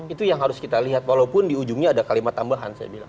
itu yang harus kita lihat walaupun di ujungnya ada kalimat tambahan saya bilang